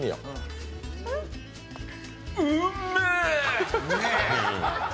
うんめえ！